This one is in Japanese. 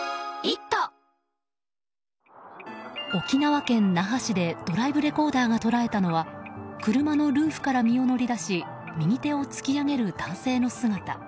沖縄県那覇市でドライブレコーダーが捉えたのは車のルーフから身を乗り出し右手を突き上げる男性の姿。